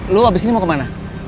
lo abis ini mau kemana